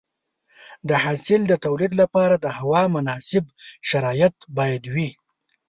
د حاصل د تولید لپاره د هوا مناسب شرایط باید وي.